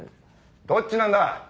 どっちなんだ。